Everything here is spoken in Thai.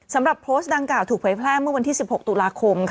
สำหรับโพสต์ดังกล่าถูกเผยแพร่เมื่อวันที่๑๖ตุลาคม